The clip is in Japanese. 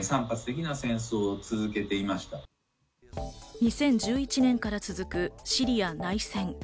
２０１１年から続くシリア内戦。